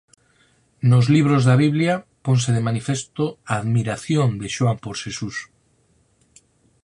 Nos libros da Biblia ponse de manifesto a admiración de Xoán por Xesús.